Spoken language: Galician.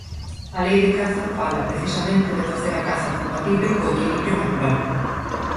A Lei de caza fala precisamente de facer a caza compatible co equilibrio natural.